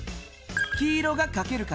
黄色がかける数。